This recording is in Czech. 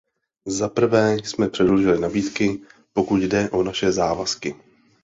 Za prvé jsme předložili nabídky, pokud jde o naše závazky.